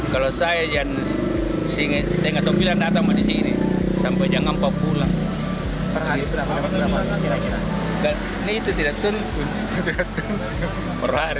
kalau saya jangan singgah singgah sopiran datang ke sini sampai jangan pulang perhari